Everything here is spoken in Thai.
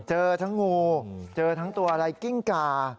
เจอทั้งงูเจอทั้งตัวอะไรกิ้งกา